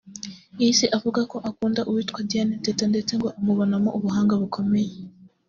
yahise avuga ko akunda uwitwa Diana Teta’ ndetse ngo amubonano ubahanga bukomeye